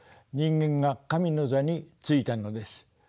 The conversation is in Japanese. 人間が神の座についたのです。